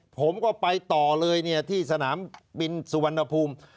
ผมก็ไปต่อเลยเนี่ยที่สนามบินสุวรรณภูมิ